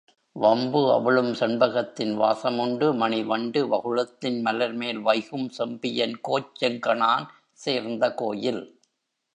வம்பு அவிழும் செண்பகத்தின் வாசமுண்டு மணிவண்டு வகுளத்தின் மலர்மேல் வைகும் செம்பியன் கோச் செங்கணான் சேர்ந்தகோயில்.